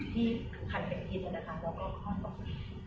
ที่คือคันเป็นอิทนะคะแล้วก็ข้อสมมุติ